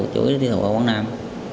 chủ yếu tiêu thụ ở quảng nam